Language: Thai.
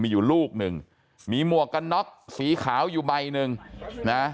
มีอยู่ลูกหนึ่งมีหมวกกันน็อกสีขาวอยู่ใบหนึ่งนะ